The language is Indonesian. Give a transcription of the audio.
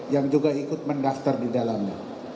yang juga ikut mendaftar di dalamnya